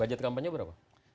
bajet kampenya berapa